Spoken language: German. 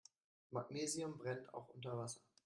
Magnesium brennt auch unter Wasser.